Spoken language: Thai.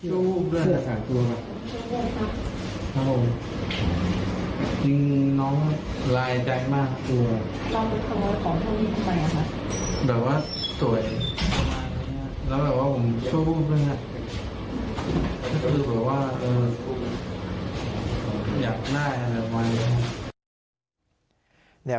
แล้วแบบว่าผมช่วยพวกมันนะคือบอกว่าอยากได้อะไรบ่อยนะ